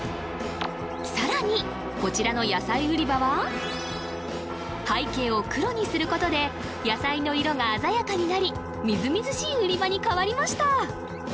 さらにこちらの野菜売り場は背景を黒にすることで野菜の色が鮮やかになりみずみずしい売り場に変わりました